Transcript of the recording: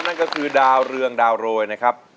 นั่นก็คือดาวเรืองดาวโรยนะครับ